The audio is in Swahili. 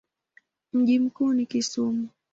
Mji mkuu ni Kisumu.